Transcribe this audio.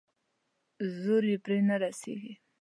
زور يې پرې نه رسېږي.